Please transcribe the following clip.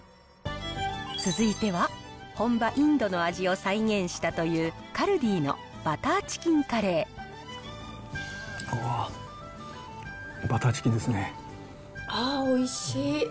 続いては、本場インドの味を再現したという、うわー、バターチキンですねああ、おいしい。